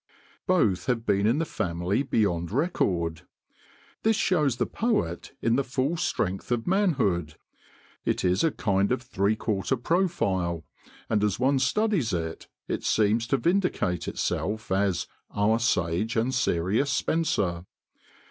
"Both have been in the family beyond record. This shows the poet in the full strength of manhood. It is a kind of three quarter profile, and as one studies it, it seems to vindicate itself as 'our sage and serious Spenser.